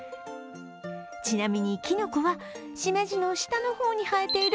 ちなみに、きのこはしめじの下の方に生えている